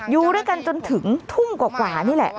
อยู่ด้วยกันจนถึงทุ่มกว่านี่แหละ